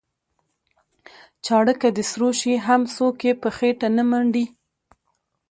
چاړه که د سرو شي هم څوک یې په خېټه نه منډي.